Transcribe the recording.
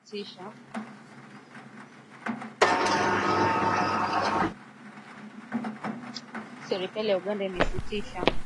Serikali ya Uganda imesitisha shughuli za shirika lisilo la kiserikali la nchini humo linalotetea haki za kingono za walio wachache likilishutumu.